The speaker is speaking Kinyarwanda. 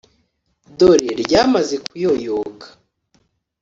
dore ryamaze kuyoyoka!